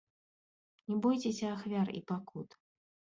Не бойцеся ахвяр і пакут!